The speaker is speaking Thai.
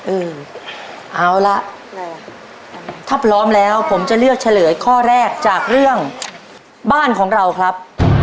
เออเอาละถ้าพร้อมแล้วผมจะเลือกเฉลยข้อแรกจากเรื่องบ้านของเราครับ